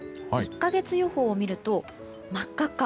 １か月予報を見ると真っ赤っか。